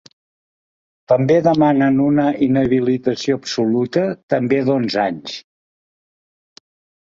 També demanen una inhabilitació absoluta també d’onze anys.